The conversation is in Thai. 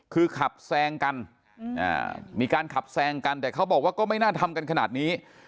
คือขับแซงกันมีการขับแซงกันแต่เขาบอกว่าก็ไม่น่าทำกันขนาดนี้